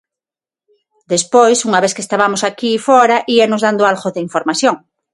Despois unha vez que estabamos aquí fóra íannos dando algo de información.